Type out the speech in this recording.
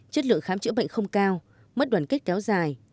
chất lượng khám chữa bệnh không cao mất đoàn kết kéo dài